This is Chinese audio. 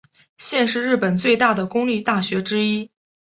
现是日本最大的公立大学之一。